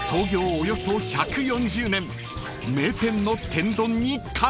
およそ１４０年名店の天丼に感動！］